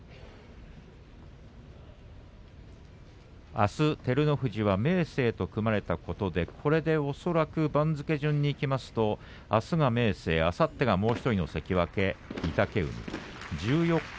あす照ノ富士は明生と組まれたことで番付順にいきますと、あすが明生あさってがもう１人の関脇御嶽海十四日